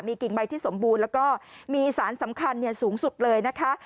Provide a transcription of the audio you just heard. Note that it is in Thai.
กิ่งใบที่สมบูรณ์แล้วก็มีสารสำคัญสูงสุดเลยนะคะ